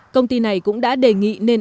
công ty này cũng đã đề nghị nên